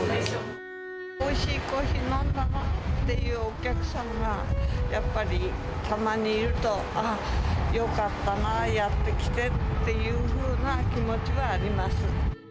おいしいコーヒー飲んだなっていうお客さんがやっぱりたまにいると、ああ、よかったな、やってきてっていうふうな気持ちはあります。